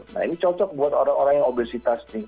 nah ini cocok buat orang orang yang obesitas nih